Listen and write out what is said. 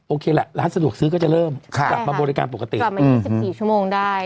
โอเคแหละร้านสะดวกซื้อก็จะเริ่มกลับมาบริการปกติกลับมา๒๔ชั่วโมงได้